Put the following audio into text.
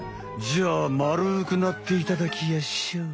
じゃあまるくなっていただきやしょう。